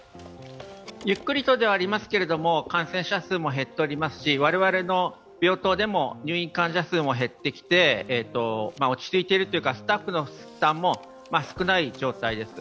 ゆっくりとではありますけれども感染者数も減っておりますし我々の病棟でも入院患者数も減ってきて落ち着いているというか、スタッフも少ない状態です。